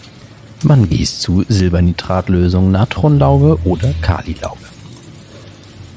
Man gießt zu Silbernitrat-Lösung Natronlauge oder Kalilauge.